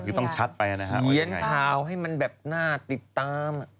ก็คือต้องชัดไปนะฮะวันยันไหร่ไหมครับเขียนข่าวให้มันแบบน่าติดตาม